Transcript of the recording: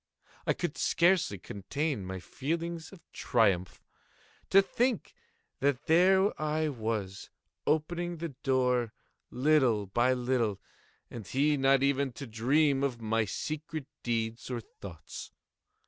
I could scarcely contain my feelings of triumph. To think that there I was, opening the door, little by little, and he not even to dream of my secret deeds or thoughts.